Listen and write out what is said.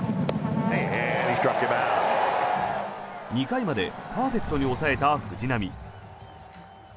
２回までパーフェクトに抑えた藤浪。